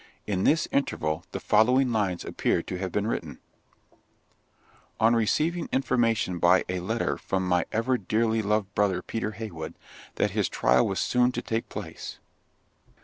In this interval the following lines appear to have been written: _On receiving information by a letter from my ever dearly loved brother Peter Heywood, that his trial was soon to take place_.